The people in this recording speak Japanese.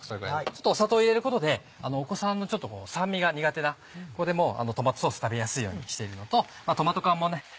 ちょっと砂糖入れることで酸味が苦手な子でもトマトソース食べやすいようにしているのとトマト缶もね